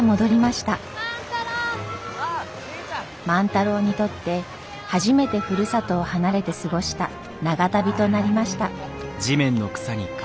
万太郎にとって初めてふるさとを離れて過ごした長旅となりました。